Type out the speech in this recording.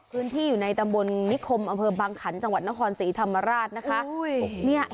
อยู่ในตำบลนิคมอำเภอบางขันจังหวัดนครศรีธรรมราชนะคะ